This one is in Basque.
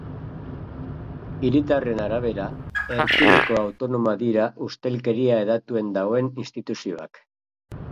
Hiritarren arabera, erkidego autonomoak dira ustelkeria hedatuen dagoen instituzioak.